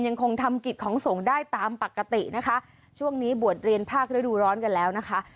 ยังคงทำกิจของส่งได้ตามปกตินะคะช่วงนี้บวชเรียนภาคฤดูร้อนกันแล้วนะคะ